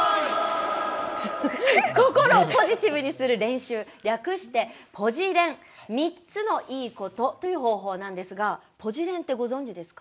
心をポジティブにする練習略してぽじれん３つのいいことということですがぽじれんってご存じですか？